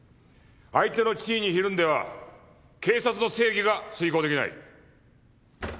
相手の地位に怯んでは警察の正義が遂行出来ない。